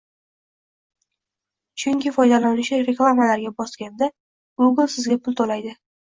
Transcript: Chunki, foydalanuvchi reklamalarga bos-ganda Google Sizga pul to’laydi